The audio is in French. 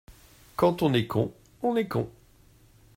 Quand on est con, on est con !